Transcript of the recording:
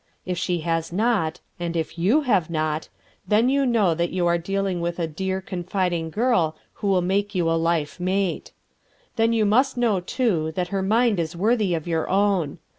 If she has not (and if YOU have not), then you know that you are dealing with a dear confiding girl who will make you a life mate. Then you must know, too, that her mind is worthy of your own.